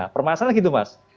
permasalahan gitu mas